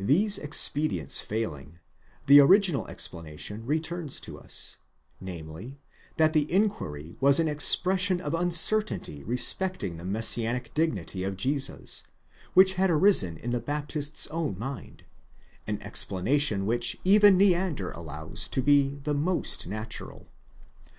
These expedients failing, the original explanation returns upon us ; namely, that the inquiry was an expression of uncertainty respecting the messianic dignity of Jesus, which had arisen in the Baptist's own mind; an explanation which even Neander allows to be the most natural.